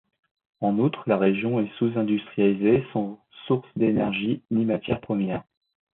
En outre, la région est sous-industrialisée, sans sources d’énergie, ni matières premières.